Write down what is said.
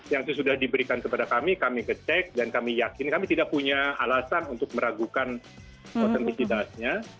yang itu sudah diberikan kepada kami kami kecek dan kami yakin kami tidak punya alasan untuk meragukan otentisitasnya